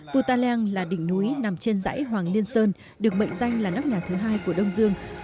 putaleng là đỉnh núi nằm trên dãy hoàng liên sơn được mệnh danh là nóc nhà thứ hai của đông dương